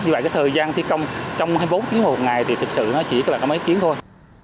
như vậy thời gian thi công trong hai mươi bốn tiếng một ngày thì thực sự chỉ là có mấy tiếng thôi